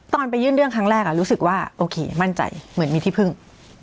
ไปยื่นเรื่องครั้งแรกรู้สึกว่าโอเคมั่นใจเหมือนมีที่พึ่ง